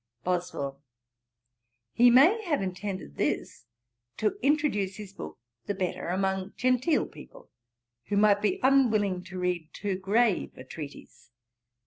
BOSWELL. 'He may have intended this to introduce his book the better among genteel people, who might be unwilling to read too grave a treatise.